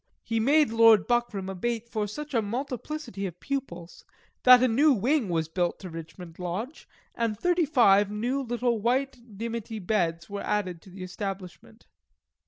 He made Lord Buckram a bait for such a multiplicity of pupils, that a new wing was built to Richmond Lodge, and thirty five new little white dimity beds were added to the establishment.